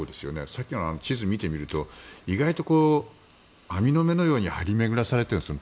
さっきの地図を見てみると意外と網の目のように張り巡らされているんです